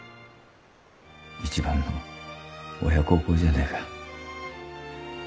いちばんの親孝行じゃねえか？